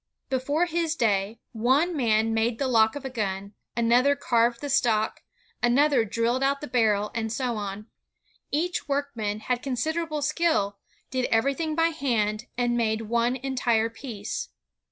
Before his day, one man made the lock of a gun, another carved the stock, another drilled out the barrel, and so on. Each workman had considerable skill, did everything by hand, and made one entire piece.